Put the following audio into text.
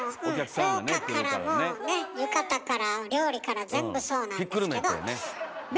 廊下からもうね浴衣から料理から全部そうなんですけど。